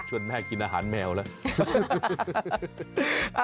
ชวนแม่กินอาหารแมวละ